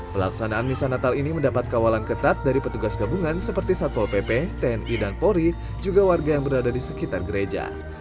pelaksanaan misa natal ini mendapat kawalan ketat dari petugas gabungan seperti satpol pp tni dan polri juga warga yang berada di sekitar gereja